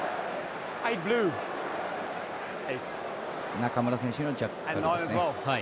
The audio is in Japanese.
中村選手のジャッカルですね。